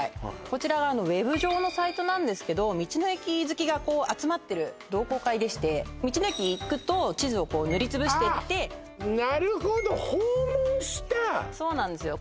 こちらがＷＥＢ上のサイトなんですけど道の駅好きが集まってる同好会でして道の駅行くと地図をこう塗りつぶしていってなるほど訪問したそうなんですよ